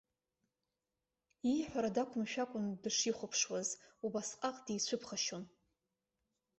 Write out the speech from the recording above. Ииҳәара дақәымшәо акәын дышихәаԥшуаз, убасҟак дицәыԥхашьон.